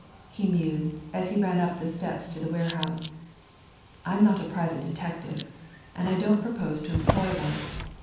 he mused as he ran up the steps to the warehouse. "I'm not a private detective, and I don't propose to employ one.